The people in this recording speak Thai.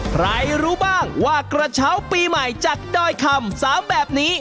รู้บ้างว่ากระเช้าปีใหม่จากดอยคำ๓แบบนี้